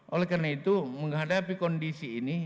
oleh karena itu menghadapi kondisi ini